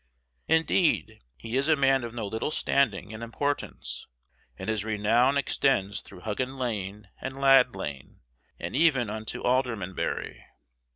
Indeed, he is a man of no little standing and importance, and his renown extends through Huggin lane and Lad lane, and even unto Aldermanbury.